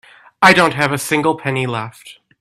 I don't have a single penny left.